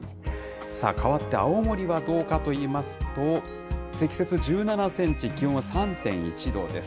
さあ、かわって青森はどうかといいますと、積雪１７センチ、気温は３．１度です。